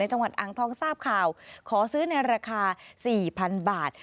จังหวัดอ่างทองทราบข่าวขอซื้อในราคา๔๐๐๐บาท